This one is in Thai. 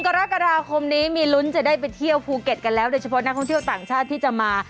กรกฎาคมนี้มีลุ้นจะได้ไปเที่ยวภูเก็ตกันแล้วโดยเฉพาะนักท่องเที่ยวต่างชาติที่จะมา